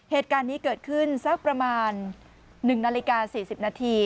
เหตุการณ์นี้เกิดขึ้นสักประมาณ๑นาฬิกา๔๐นาที